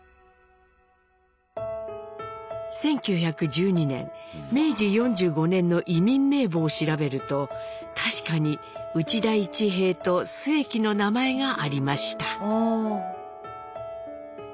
１９１２年明治４５年の移民名簿を調べると確かに「内田市平」と「末喜」の名前がありました。